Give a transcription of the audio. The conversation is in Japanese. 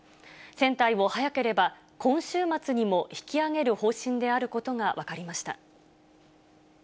船体を、早ければ今週末にも引き揚げる方針であることが分かりました。